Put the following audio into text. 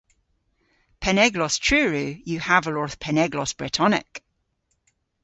Penneglos Truru yw haval orth penneglos bretonek.